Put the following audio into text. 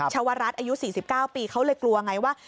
ชาวรัฐอายุ๔๙ปีเขาเลยกลัวไงว่า